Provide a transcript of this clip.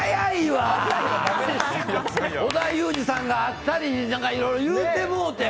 織田裕二さんがあったり、いろいろ言うてもおて。